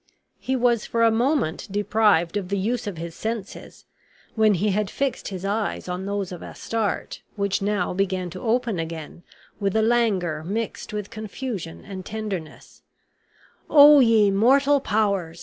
He was for a moment deprived of the use of his senses, when he had fixed his eyes on those of Astarte, which now began to open again with a languor mixed with confusion and tenderness: "O ye immortal powers!"